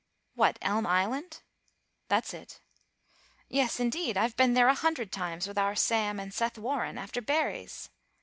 "What, Elm Island?" "That's it." "Yes, indeed! I've been there a hundred times with our Sam and Seth Warren, after berries."